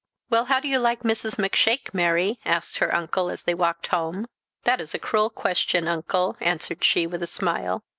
"Well, how do you like Mrs. Macshake, Mary?" asked her uncle as they walked home. "That is a cruel question, uncle," answered she, with a smile.